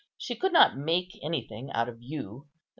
She could not make anything out of you.